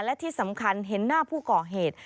และที่สำคัญเห็นหน้าผู้ก่อเหตุ